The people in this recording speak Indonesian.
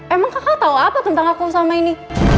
emang kakak tau apa tentang aku sama ini